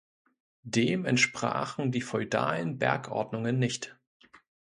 Dem entsprachen die feudalen Bergordnungen nicht.